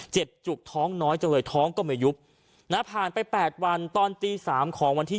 จุกท้องน้อยจังเลยท้องก็ไม่ยุบนะผ่านไป๘วันตอนตี๓ของวันที่